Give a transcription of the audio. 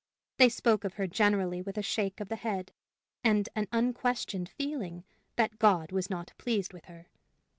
They spoke of her generally with a shake of the head, and an unquestioned feeling that God was not pleased with her.